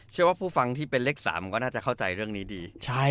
ว่าผู้ฟังที่เป็นเลข๓ก็น่าจะเข้าใจเรื่องนี้ดี